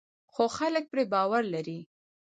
خو خلک پرې باور لري.